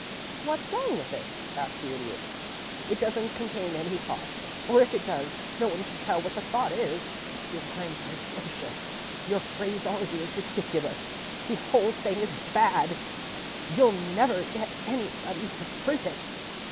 "What's wrong with it?" asked the Idiot. "It doesn't contain any thought or if it does, no one can tell what the thought is. Your rhymes are atrocious. Your phraseology is ridiculous. The whole thing is bad. You'll never get anybody to print it."